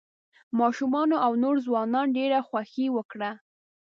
ماشومانو او نوو ځوانانو ډېره خوښي وکړه.